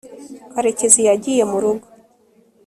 karekezi yagiye murugo